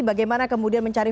bagaimana kemudian mencari